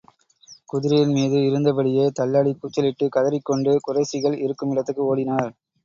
குதிரையின் மீது இருந்தபடியே தள்ளாடிக் கூச்சலிட்டுக் கதறிக் கொண்டு குறைஷிகள் இருக்கும் இடத்துக்கு ஓடினார்.